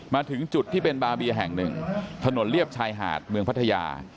มาถึงจุดที่เป็นบาเบียแห่งหนึ่งถนนเลียบชายหาดเมืองพัทยา